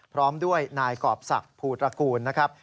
พร้อมด้วยนายกรอบศักดิ์ภูตระกูลนะครับ